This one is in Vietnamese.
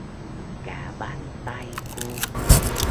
Cả bàn tay cô